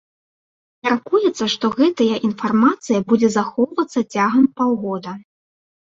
Мяркуецца, што гэтая інфармацыя будзе захоўвацца цягам паўгода.